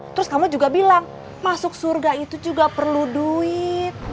terus kamu juga bilang masuk surga itu juga perlu duit